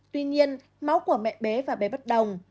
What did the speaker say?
tuy nhiên máu của mẹ bé và bé bất đồng